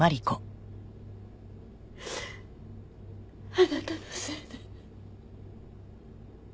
あなたのせいで。